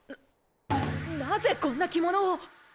なぜこんな着物を！